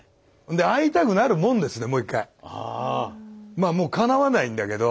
まあもうかなわないんだけど。